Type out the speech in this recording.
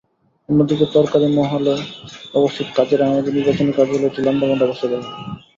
অন্যদিকে তরকারী মহালে অবস্থিত কাদির আহমেদের নির্বাচনী কার্যালয়টি লন্ডভন্ড অবস্থায় দেখা যায়।